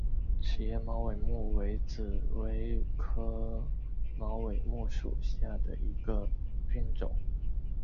齿叶猫尾木为紫葳科猫尾木属下的一个变种。